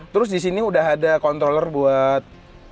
terus disini udah ada controller buat